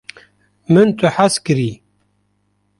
min tu hez kirî